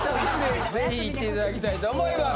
ぜひ行っていただきたいと思います。